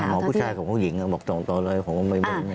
หมอผู้ชายของผู้หญิงบอกส่งต่อเลยของเขาไม่แน่ใจ